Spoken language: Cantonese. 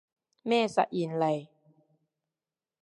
咩實驗嚟